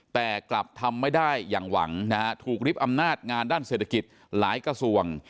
แต่กลับทำไม่ได้อย่างหวังนะฮะถูกริบอำนาจงานด้านเศรษฐกิจหลายกระทรวง